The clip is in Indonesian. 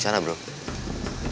soalnya kita butuh dia